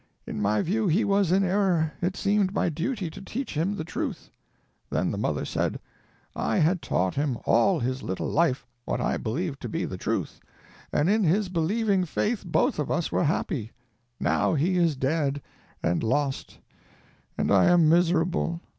In my view he was in error; it seemed my duty to teach him the truth_." Then the mother said: "_I had taught him, all his little life, what I believed to be the truth, and in his believing faith both of us were happy. Now he is dead—and lost; and I am miserable.